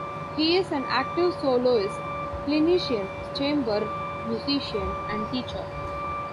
He is an active soloist, clinician, chamber musician, and teacher.